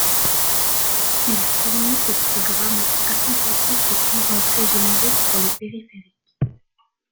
Il fournit aux programmes applicatifs des points d’entrée génériques pour les périphériques.